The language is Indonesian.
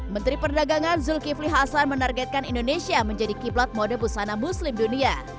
menteri perdagangan zulkifli hasan menargetkan indonesia menjadi kiplat mode busana muslim dunia